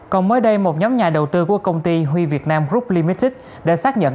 còn mới đây một nhóm nhà đầu tư của công ty huy việt nam group limitic đã xác nhận